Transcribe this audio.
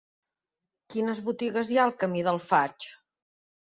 Quines botigues hi ha al camí del Faig?